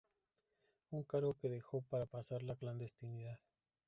Un cargo que dejó para pasar a la clandestinidad.